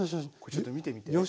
ちょっと見てみて。